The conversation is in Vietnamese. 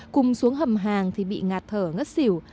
cùng xuống hầm hàng thì bị ngạt thở ngất xỉu